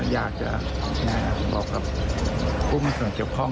อยากจะบอกกับผู้มีส่วนเกี่ยวข้อง